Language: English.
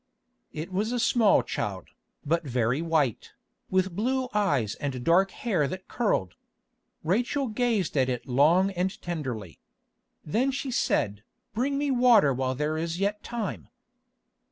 It was a small child, but very white, with blue eyes and dark hair that curled. Rachel gazed at it long and tenderly. Then she said, "Bring me water while there is yet time."